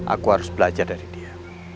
aku harus belajar dari dia